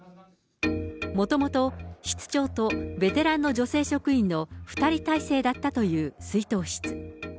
もともと室長とベテランの女性職員の２人態勢だったという出納室。